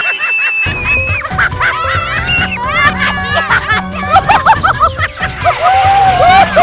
saat kita berdua bernyate